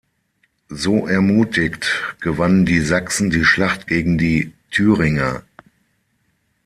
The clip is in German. So ermutigt, gewannen die Sachsen die Schlacht gegen die Thüringer.